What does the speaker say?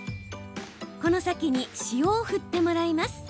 このサケに塩を振ってもらいます。